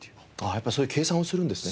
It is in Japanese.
やっぱりそういう計算をするんですね。